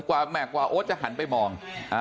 กวาแหมกวาโอ๊ตจะหันไปมอง